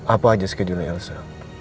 apa aja skedulnya elsa